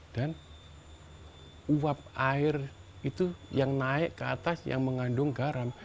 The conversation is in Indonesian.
dan uap air itu yang naik ke atas yang mengandung garam